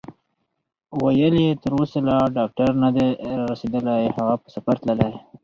ویل یې: تر اوسه لا ډاکټر نه دی رارسېدلی، هغه په سفر تللی.